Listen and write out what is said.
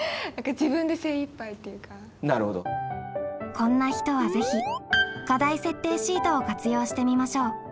こんな人はぜひ課題設定シートを活用してみましょう。